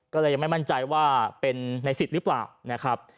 ก็เลยยังไม่มั่นใจว่าเป็นในสิทธิ์หรือเปล่านะครับ